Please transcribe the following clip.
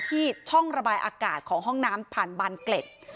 ที่ช่องระบายอากาศของห้องน้ำผ่านบานเกล็ด